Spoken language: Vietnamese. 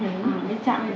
không họ không yêu cầu được